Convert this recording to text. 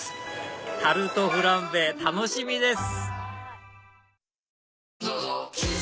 タルトフランベ楽しみです！